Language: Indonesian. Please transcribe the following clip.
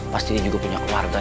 pasti dia juga punya keluarga